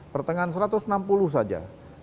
pertengahan satu ratus enam puluh saja